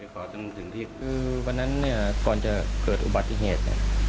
คือวันนั้นเนี่ยก่อนจะเกิดอุบัติเหตุ